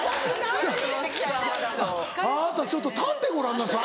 「あたちょっと立ってごらんなさい」。